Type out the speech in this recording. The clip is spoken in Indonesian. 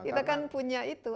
kita kan punya itu